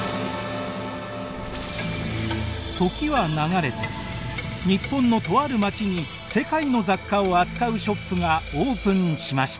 時は流れて日本のとある街に世界の雑貨を扱うショップがオープンしました。